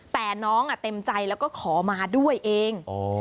แต่น้องเต็มใจแล้วก็ขอมาด้วยเอง